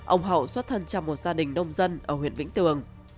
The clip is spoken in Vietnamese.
ông hậu xuất thân trong một gia đình đông dân ở huyện vĩnh tường